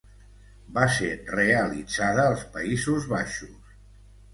Va ser realitzada als Països Baixos.